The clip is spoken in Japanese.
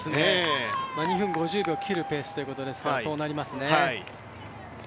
２分５０秒を切るペースですから、そうなりますね。